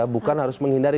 bukan harus menghindari